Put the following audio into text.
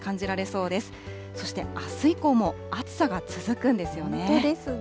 そしてあす以降も暑さが続くんですよね。